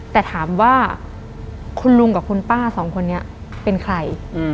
แต่ถามว่าคุณลุงกับคุณป้าสองคนนี้เป็นใคร